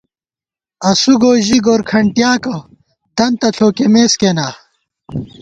اسُو گوئی ژی گورکھنٹیاکہ دنتہ ݪوکِمېس کېنا